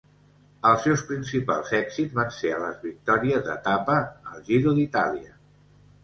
Els seus principals èxits van ser les victòries d'etapa al Giro d'Itàlia.